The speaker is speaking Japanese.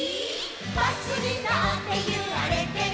「バスにのってゆられてる」